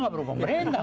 tidak perlu pemerintah